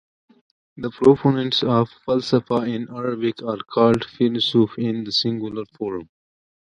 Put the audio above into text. The proponents of falsafa in Arabic are called "faylasuf" in the singular form.